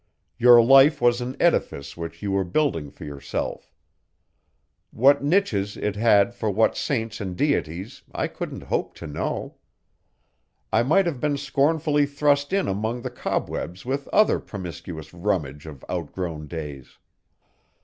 Your life was an edifice which you were building for yourself. What niches it had for what saints and deities, I couldn't hope to know. I might have been scornfully thrust in among the cobwebs with other promiscuous rummage of outgrown days.